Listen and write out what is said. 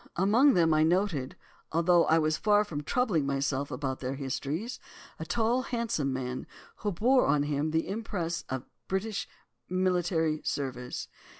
Among them I noted, although I was far from troubling myself about their histories, a tall, handsome man, who bore on him the impress of British military service.